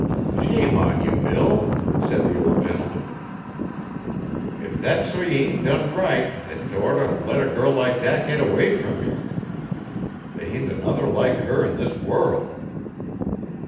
'Shame on ye, Bill,' said the old gentleman. 'If thet's so ye ain't done right. Hedn't orter let a girl like thet git away from ye th' ain't another like her in this world.'